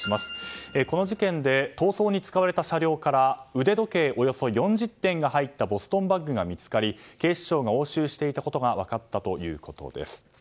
この事件で逃走に使われた車両から腕時計およそ４０点が入ったボストンバッグが見つかり警視庁が押収していたことが分かったということです。